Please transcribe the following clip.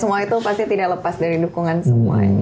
semua itu pasti tidak lepas dari dukungan semua